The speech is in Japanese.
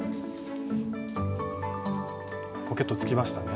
ポケットつきましたね。